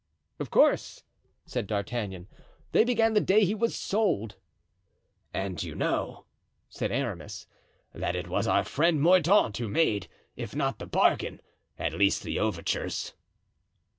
"Of course," said D'Artagnan; "they began the day he was sold." "And you know," said Aramis, "that it was our friend Mordaunt who made, if not the bargain, at least the overtures."